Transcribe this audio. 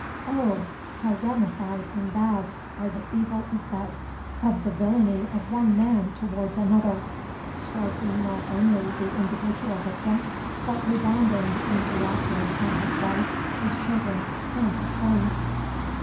Oh! how ramified and vast are the evil effects of the villainy of one man towards another,—striking not only the individual victim, but rebounding and reacting on his wife, his children, and his friends!